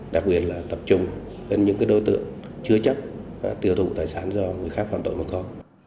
đặc biệt là tập trung gần những đối tượng chưa chấp tiêu thụ tài sản do người khác phạm tội mà có